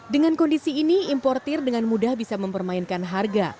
dengan kondisi ini importer dengan mudah bisa mempermainkan harga